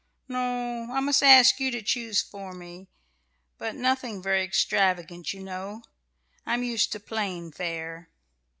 "No, I must ask you to choose for me; but nothing very extravagant, you know. I'm used to plain fare."